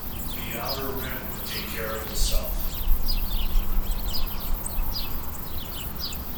The outer rim would take care of itself.